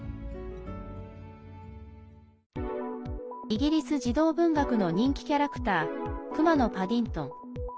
イギリス児童文学の人気キャラクターくまのパディントン。